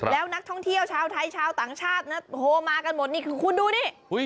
แล้วนักท่องเที่ยวชาวไทยชาวต่างชาติโพรมากันหมดคุณดูนี่